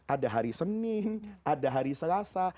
ada hari senin ada hari selasa